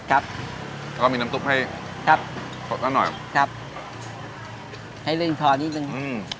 ครับแล้วก็มีน้ำซุปให้ครับสดซะหน่อยครับให้เร่งทอนิดนึงอืม